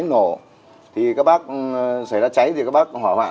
nổ thì các bác xảy ra cháy thì các bác hỏa hoạn